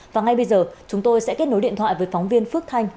và ngay bây giờ chúng tôi sẽ kết nối điện thoại với phóng viên phước thanh